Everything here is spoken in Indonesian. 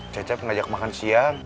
cecep ngajak makan siang